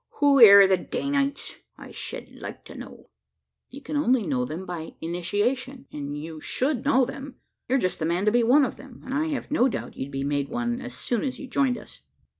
Who air the Danites, I shed like to know?" "You can only know them by initiation; and you should know them. You're just the man to be one of them; and I have no doubt you'd be made one, as soon as you joined us."